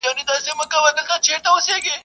اوبه په اوبو گډېږي.